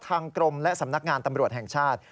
ทางกรมและสำนักงานตำรวจแห่งชาติ